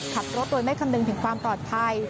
ขับรถโดยไม่คำนึงถึงความปลอดภัย